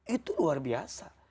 itu luar biasa